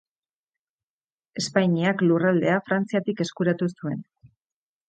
Espainiak lurraldea Frantziatik eskuratu zuen.